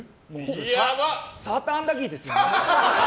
サーターアンダギーですよね。